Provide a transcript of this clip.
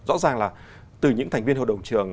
rõ ràng là từ những thành viên hội đồng trường